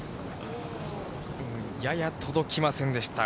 やや届きませんでした。